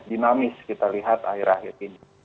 dinamis kita lihat akhir akhir ini